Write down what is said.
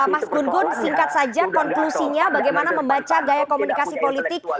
mas gun gun singkat saja konklusinya bagaimana membaca gaya komunikasi politik